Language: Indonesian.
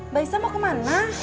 mbak isah mau kemana